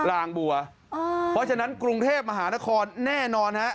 เพราะฉะนั้นกรุงเทพมหานครแน่นอน